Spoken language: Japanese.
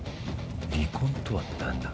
離婚とは何だ？